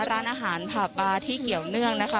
ร้านอาหารผ่าปลาที่เกี่ยวเนื่องนะคะ